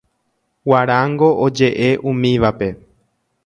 Guarango ojeʼe umívape.